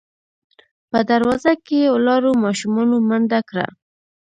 په دروازه کې ولاړو ماشومانو منډه کړه.